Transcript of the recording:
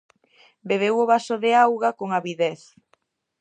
Bebeu o vaso de auga con avidez.